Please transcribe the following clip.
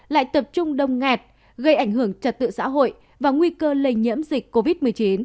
lại tập trung đông ngạt gây ảnh hưởng trật tự xã hội và nguy cơ lây nhiễm dịch covid một mươi chín